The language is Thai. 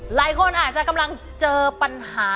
หลายคนอาจจะกำลังเจอปัญหา